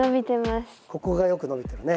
ここがよく伸びてるね。